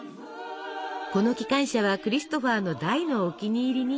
この機関車はクリストファーの大のお気に入りに。